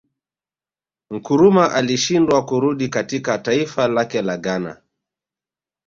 Nkrumah alishindwa kurudi katika taifa lake la Ghana